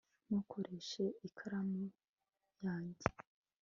ntukoreshe ikaramu yanjye